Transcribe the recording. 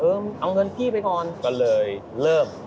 เอาเงินพี่ไปก่อนก็เลยเริ่ม